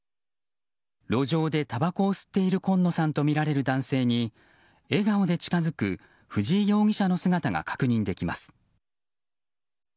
路上でたばこを吸っている今野さんとみられる男性に笑顔で近づく藤井容疑者の姿が確認できます。